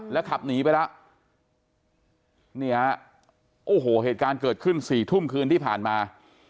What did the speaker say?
ขับหนีไปแล้วนี่ฮะโอ้โหเหตุการณ์เกิดขึ้นสี่ทุ่มคืนที่ผ่านมา